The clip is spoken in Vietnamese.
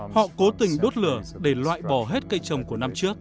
họ cố tình đốt lửa để loại bỏ hết cây trồng của năm trước